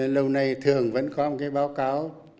lâu nay thường vẫn có cái báo cáo